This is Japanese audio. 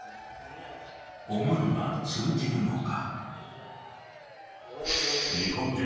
思いは通じるのか。